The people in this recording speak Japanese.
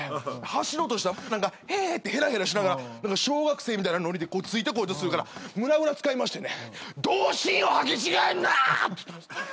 走ろうとしたら何か「ヘヘ」ってヘラヘラしながら小学生みたいなノリでついてこようとするから胸ぐらつかみましてね「童心を履き違えるな！」って言ったんです。